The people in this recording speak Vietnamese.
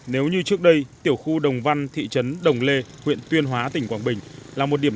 nếu như trước đây tiểu khu đồng văn thị trấn đồng lê huyện tuyên hóa tỉnh quảng bình là một điểm